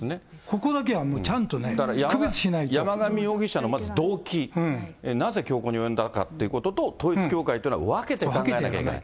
ここだけはもう、ちゃんとね、山上容疑者の、まず動機、なぜ凶行に及んだかということと、統一教会というのは分けて考えなきゃいけない。